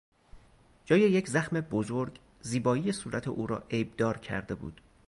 جای یک زخم بزرگ، زیبایی صورت او را عیبدار کرده بود.